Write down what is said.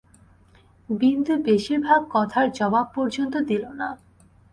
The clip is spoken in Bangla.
বিন্দু বেশির ভাগ কথার জবাব পর্যন্ত দিল না।